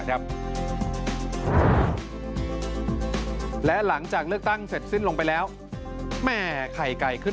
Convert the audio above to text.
และหลังจากเลือกตั้งเสร็จสิ้นลงไปแล้วแม่ไข่ไก่ขึ้น